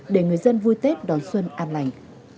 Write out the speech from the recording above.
để người dân vui tết đón xuân an lành